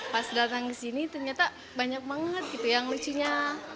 pas datang kesini ternyata banyak banget gitu yang lucunya